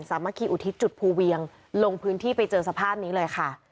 สามัคคีอุทิศจุดภูเวียงลงพื้นที่ไปเจอสภาพนี้เลยค่ะ